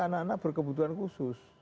anak anak berkebutuhan khusus